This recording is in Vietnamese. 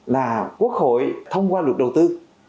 là quốc hội thông qua luật đầu tư